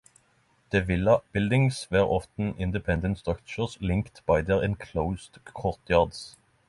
The villa buildings were often independent structures linked by their enclosed courtyards.